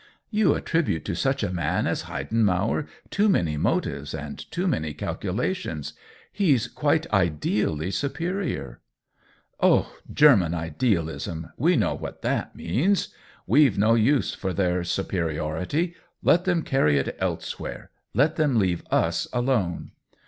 "You attribute to such a man as Heiden mauer too many motives and too many cal culations. He's quite ideally superior !" 138 COLLABORATION "Oh, German idealism— we know what that means ! We've no use for their supe riority; let them carry it elsewhere — let them leave us alone.